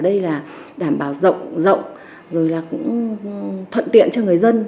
đây là đảm bảo rộng rồi là cũng thuận tiện cho người dân